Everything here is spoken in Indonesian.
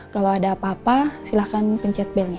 kalau ada apa apa silahkan pencet bennya